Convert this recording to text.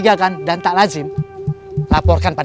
dan gamen juga i'm leaving den art